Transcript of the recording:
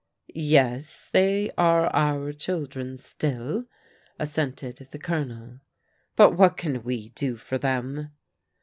" Yes, they are our children still," assented the Colo nel, " but what can we do for them